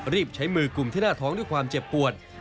ที่มีความเจ็บปวด